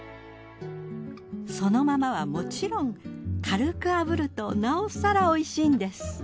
そのままはもちろん軽く炙るとなおさら美味しいんです。